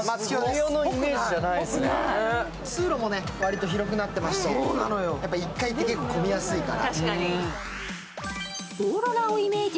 通路も割と広くなってまして、１階って結構混みやすいから。